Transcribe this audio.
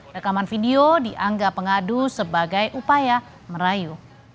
rekaman video dianggap pengadu sebagai upaya merayu